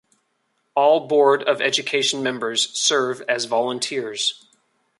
All Board of Education Members serve as volunteers.